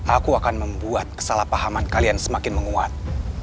aku akan membuat kesalahpahaman kalian semakin menguat